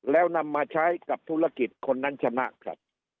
แล้วนำมาใช้กับธุรกิจคนนั้นชนะครับ